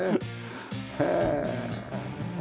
へえ。